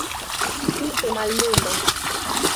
Tute malluma.